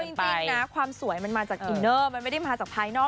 จริงนะความสวยมันมาจากอินเนอร์มันไม่ได้มาจากภายนอก